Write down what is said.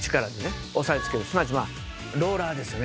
すなわちまあローラーですよね。